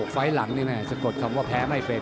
ไฟล์หลังนี่แม่สะกดคำว่าแพ้ไม่เป็น